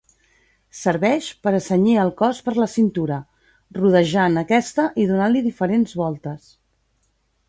Serveix per a cenyir el cos per la cintura, rodejant aquesta i donant-li diferents voltes.